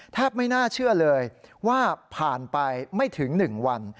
ไม่น่าเชื่อเลยว่าผ่านไปไม่ถึง๑วัน